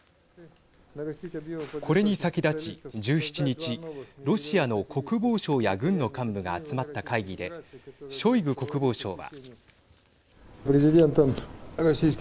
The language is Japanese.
これに先立ち１７日ロシアの国防省や軍の幹部が集まった会議でショイグ国防相は。